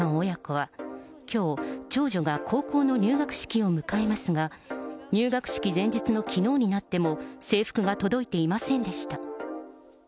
親子はきょう、長女が高校の入学式を迎えますが、入学式前日のきのうになっても、制服が届いていませんでした。